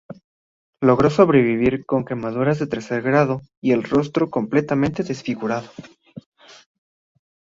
Logró sobrevivir con quemaduras de tercer grado y el rostro completamente desfigurado.